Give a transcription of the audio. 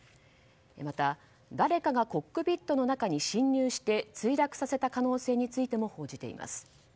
また、誰かがコックピットの中に侵入して墜落させた可能性についても報じています。